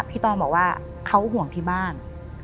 ตองบอกว่าเขาห่วงที่บ้าน